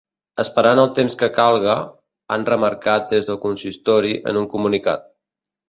Esperant el temps que calga, han remarcat des del consistori en un comunicat.